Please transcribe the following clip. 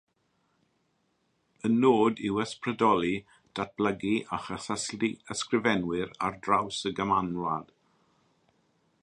Y nod yw ysbrydoli, datblygu a chysylltu ysgrifenwyr ar draws y Gymanwlad.